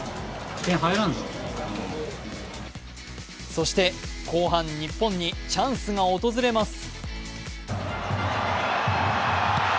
そして後半、日本にチャンスが訪れます。